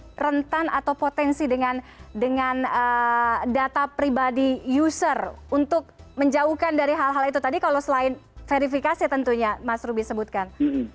apakah rentan atau potensi dengan data pribadi user untuk menjauhkan dari hal hal itu tadi kalau selain verifikasi tentunya mas ruby sebutkan